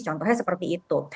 contohnya seperti itu